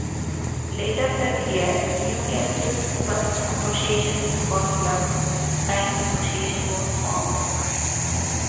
Later that year, Newcastle's first association football club, Tyne Association, was formed.